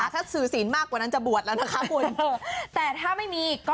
ค่ะถ้าถือสีนมากกว่านั้นจะบวชแล้วนะคะแต่ถ้าไม่มีก็